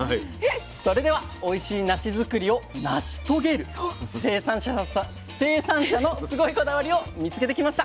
それではおいしいなし作りを「『成し』遂げる」生産者のすごいこだわりを見つけてきました。